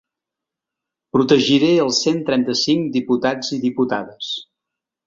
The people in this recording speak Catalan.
Protegiré els cent trenta-cinc diputats i diputades.